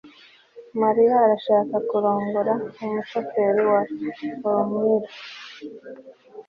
Mariya arashaka kurongora umushoferi wa Formula